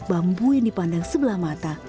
bambu yang dipandang sebelah mata